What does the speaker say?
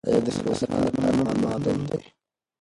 آیا د میرویس خان د پلار نوم معلوم دی؟